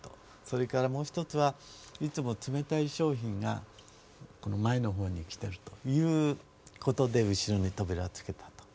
それからもう一つはいつも冷たい商品が前の方に来てるということで後ろに扉を付けたと。